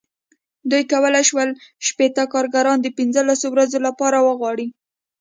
دوی کولای شول شپېته کارګران د پنځلسو ورځو لپاره وغواړي.